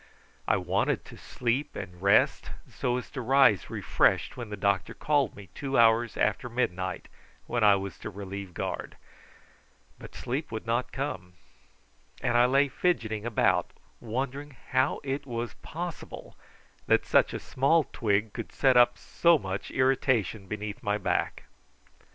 I wanted to sleep and rest, so as to rise refreshed when the doctor called me two hours after midnight, when I was to relieve guard; but sleep would not come, and I lay fidgeting about, wondering how it was possible that such a small twig could set up so much irritation beneath my back.